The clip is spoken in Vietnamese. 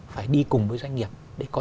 phải đi cùng với doanh nghiệp để có